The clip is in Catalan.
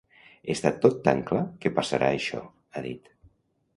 "Està tot tan clar que passarà això", ha dit.